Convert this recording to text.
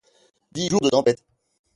Dix jours de tempête —